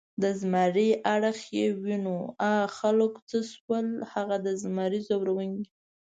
د زمري اړخ یې ونیو، آ خلکو څه شول هغه د زمري ځوروونکي؟